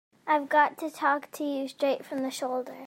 I've got to talk to you straight from the shoulder.